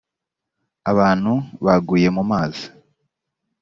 abantu baguye mu mazi